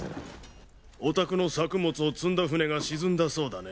お宅の作物を積んだ船が沈んだそうだね。